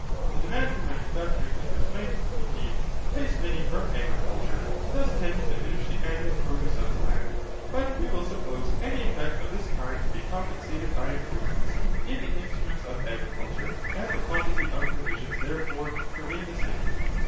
The demand for manufacturing labourers might, indeed, entice many from agriculture and thus tend to diminish the annual produce of the land, but we will suppose any effect of this kind to be compensated by improvements in the instruments of agriculture, and the quantity of provisions therefore to remain the same.